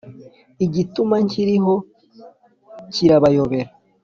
igituma nkiriho kirabayobera.